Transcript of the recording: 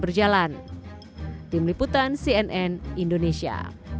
berjalan tim liputan cnn indonesia